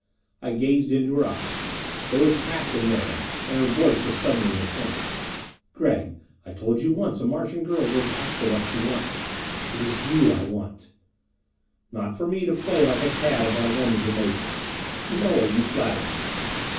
I gazed into her eyes. There was passion there; and her voice was suddenly intense. "Gregg, I told you once a Martian girl goes after what she wants. It is you I want " Not for me to play like a cad upon a woman's emotions! "Moa, you flatter me."